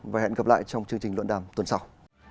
và hẹn gặp lại trong chương trình luận đàm tuần sau